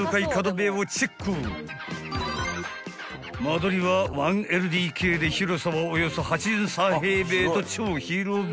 ［間取りは１ＬＤＫで広さはおよそ８３平米と超広々］